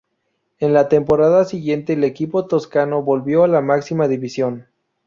En la temporada siguiente el equipo toscano volvió a la máxima división.